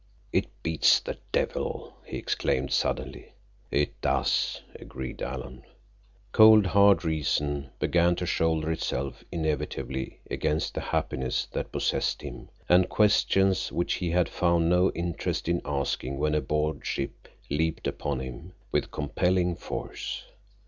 "It beats the devil!" he exclaimed suddenly. "It does," agreed Alan. Cold, hard reason began to shoulder itself inevitably against the happiness that possessed him, and questions which he had found no interest in asking when aboard ship leaped upon him with compelling force.